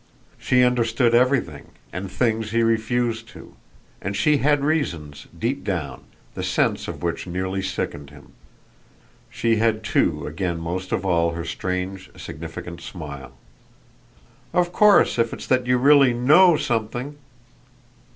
She understood everything, and things he refused to; and she had reasons, deep down, the sense of which nearly sickened him. She had too again most of all her strange significant smile. "Of course if it's that you really KNOW something